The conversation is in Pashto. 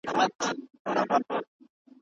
ایا ته په دې اړه کومه بله نظر لرې؟